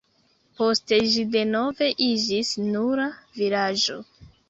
Poste ĝi denove iĝis nura vilaĝo.